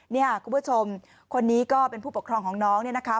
เนี่ยคุณผู้ชมคนนี้ก็เป็นผู้ปกครองของน้องเนี่ยนะคะ